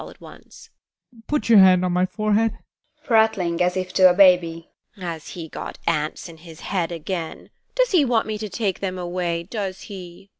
[Prattling as if to a baby] Has he got ants in his head again? Does he want me to take them away, does he?